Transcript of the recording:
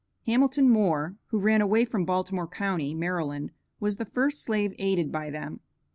Hamilton Moore, who ran away from Baltimore county, Maryland, was the first slave aided by them.